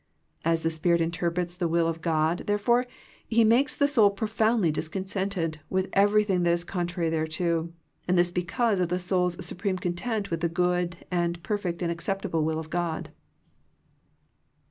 As the Spirit interprets the will of God, therefore. He makes the soul profoundly discontented with everything that is contrary thereto, and this because of the soul's supreme content with the good and perfect and acceptable will of God.